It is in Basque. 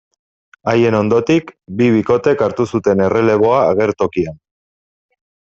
Haien ondotik, bi bikotek hartu zuten erreleboa agertokian.